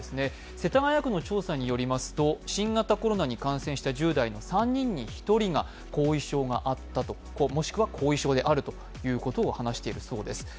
世田谷区の調査によりますと、新型コロナに感染した１０代の３人に１人が後遺症があった、もしくは後遺症であると話しているそうです。